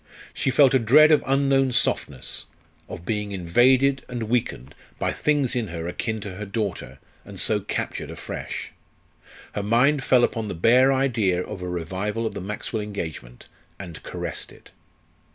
She felt a dread of unknown softnesses of being invaded and weakened by things in her akin to her daughter, and so captured afresh. Her mind fell upon the bare idea of a revival of the Maxwell engagement, and caressed it.